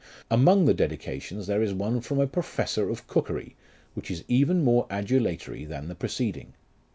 Among the Dedications there is one from a Professor of Cookery, which is even more adulatory than the preceding.